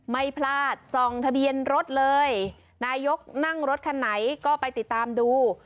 ไม่พลาดส่องทะเบียนรถเลยนายกนั่งรถคันไหนก็ไปติดตามดู